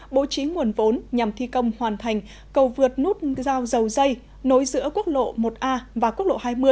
bố trí nguồn vốn nhằm thi công hoàn thành cầu vượt nút giao dầu dây nối giữa quốc lộ một a và quốc lộ hai mươi